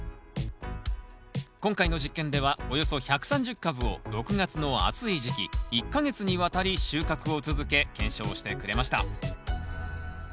今回の実験ではおよそ１３０株を６月の暑い時期１か月にわたり収穫を続け検証してくれました。